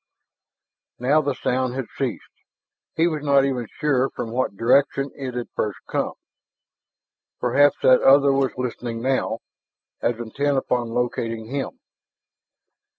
Now the sound had ceased. He was not even sure from what direction it had first come. Perhaps that other was listening now, as intent upon locating him.